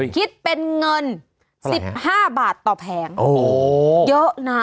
คิดเป็นเงิน๑๕บาทต่อแผงโอ้โหเยอะนะ